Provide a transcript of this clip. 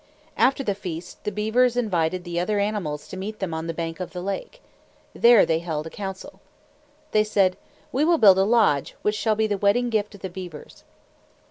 After the feast, the beavers invited the other animals to meet them on the bank of the lake. There they held a council. They said, "We will build a lodge, which shall be the wedding gift of the beavers."